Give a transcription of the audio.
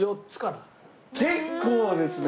結構ですね！